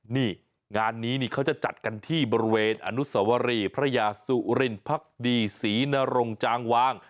นี่งานนี้นี่เขาจะจัดกันที่บริเวณอนุสวรีพระยาสุรินพักดีศรีนรงจางวาง